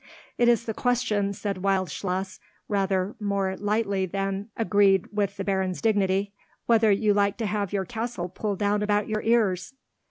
"It is the question," said Wildschloss, rather more lightly than agreed with the Baron's dignity, "whether you like to have your castle pulled down about your ears."